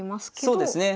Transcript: そうですね。